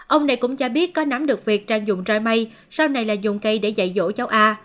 ông này cũng cho biết có nắm được việc trang dùng roi sau này là dùng cây để dạy dỗ cháu a